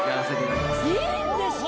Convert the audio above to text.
いいんですか！？